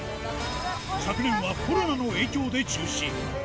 昨年はコロナの影響で中止に。